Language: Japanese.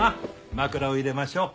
枕を入れましょう。